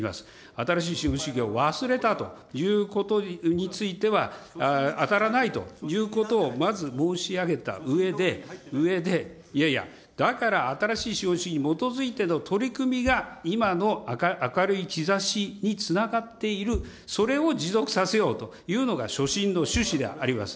新しい資本主義を忘れたということについては当たらないということをまず申し上げたうえで、うえで、いやいや、だから新しい資本主義に基づいての取り組みが今の明るい兆しにつながっている、それを持続させようというのが所信の趣旨であります。